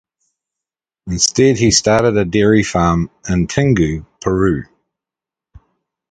Instead he started a dairy farm in Tingo, Peru.